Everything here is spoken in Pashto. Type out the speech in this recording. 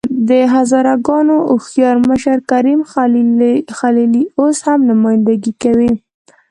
د هزاره ګانو هوښیار مشر کریم خلیلي اوس هم نمايندګي کوي.